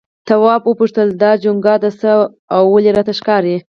تواب وپوښتل دا چونگا د څه ده ولې راته ښکاري؟